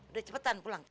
udah cepetan pulang